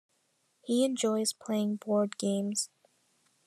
He enjoys playing board games.